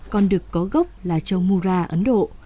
con đực có gốc là trâu mura ấn độ